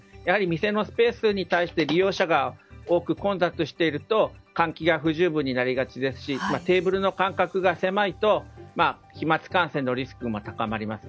店のスペースに対して利用者が多く混雑していると換気が不十分になりがちですしテーブルの間隔が狭いと飛沫感染のリスクも高まります。